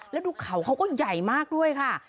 แล้วดูเขาเขาก็ใหญ่มากด้วยค่ะ